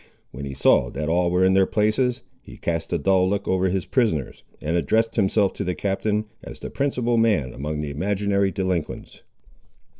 When he saw that all were in their places, he cast a dull look over his prisoners, and addressed himself to the Captain, as the principal man among the imaginary delinquents.